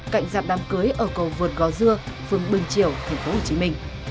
cạnh dạp đám cưới ở cầu vượt gó dưa phương bình triều tp hcm